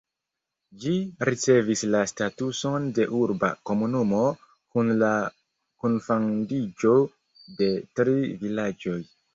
Ĝi ricevis la statuson de urba komunumo kun la kunfandiĝo de tri vilaĝoj.